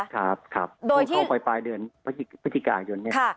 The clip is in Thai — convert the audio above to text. ครับครับต้องเข้าไปปลายเดือนพฤศจิกายนเนี่ย